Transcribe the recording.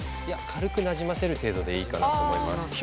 いや軽くなじませる程度でいいかなと思います。